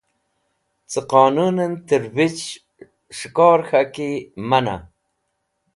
Ce Qonunen Tervich S̃hiikor K̃haki Manah